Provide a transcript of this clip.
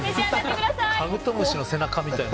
カブトムシの背中みたいな。